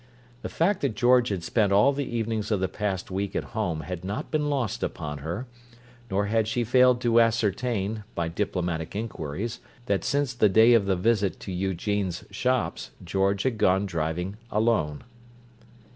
The fact that George had spent all the evenings of the past week at home had not been lost upon her, nor had she failed to ascertain, by diplomatic inquiries, that since the day of the visit to Eugene's shops George had gone driving alone.